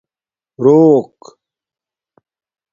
روک